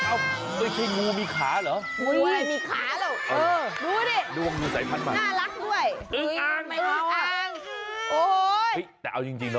อ้าวไม่ใช่งูมีขาเหรองูอะไรมีขาเหรอ